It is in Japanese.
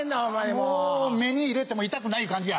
もう目に入れても痛くない感じや。